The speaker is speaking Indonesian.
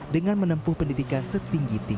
dengan menempuhkan kemampuan